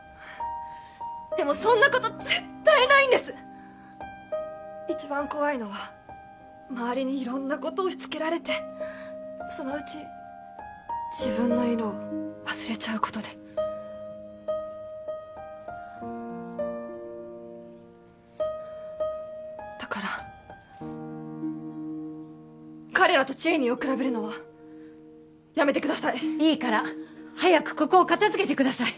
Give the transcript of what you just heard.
でもそんなこと絶対ないんです一番怖いのは周りに色んなことを押しつけられてそのうち自分の色を忘れちゃうことでだから彼らとＣＨＡＹＮＥＹを比べるのはやめてくださいいいから早くここを片付けてください